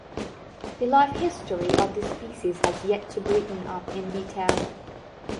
The life history of this species has yet to be written up in detail.